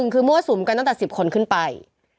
คือมั่วสุมกันตั้งแต่๑๐คนขึ้นไป